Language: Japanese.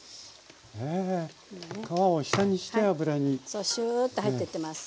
そうシューッて入ってってます。